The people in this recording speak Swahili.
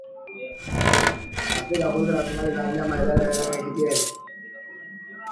Afrika kuhusu Rasilimali za Wanyama Idara ya Marekani ya Kitengo cha Kigeni